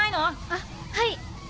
あっはい。